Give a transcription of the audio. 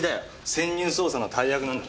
潜入捜査の大役なんだ。